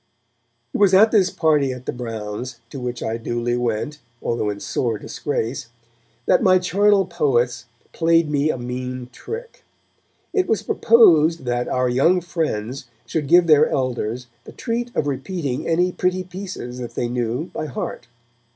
It was at this party at the Browns to which I duly went, although in sore disgrace that my charnel poets played me a mean trick. It was proposed that 'our young friends' should give their elders the treat of repeating any pretty pieces that they knew by heart.